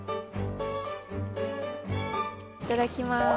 いただきます。